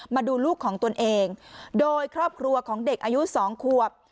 มาดูลูกของตนเองโดยครอบครัวของเด็กอายุสองขวบ